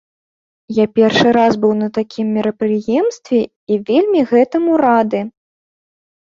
Я першы раз быў на такім мерапрыемстве і вельмі гэтаму рады.